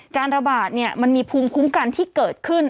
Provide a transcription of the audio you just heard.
การระบาดมันมีภูมิคุ้มกันที่เกิดขึ้น